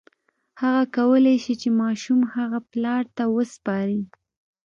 هغه کولی شي چې ماشوم هغه پلار ته وسپاري.